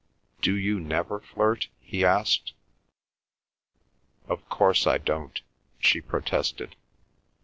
"Do you never flirt?" he asked. "Of course I don't," she protested.